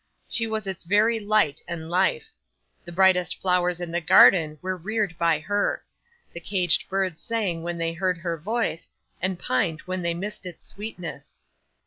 She was its very light and life. The brightest flowers in the garden were reared by her; the caged birds sang when they heard her voice, and pined when they missed its sweetness.